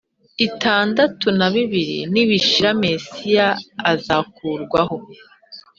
itandatu na bibiri nibishira Mesiya azakurwaho